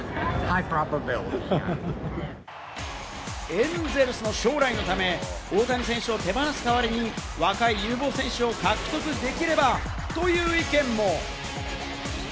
エンゼルスの将来のため、大谷選手を手放す代わりに、若い有望選手を獲得できれば、という意見も。